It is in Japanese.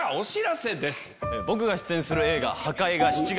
僕が出演する映画。